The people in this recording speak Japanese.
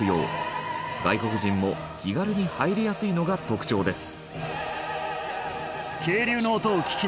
外国人も気軽に入りやすいのが特徴です。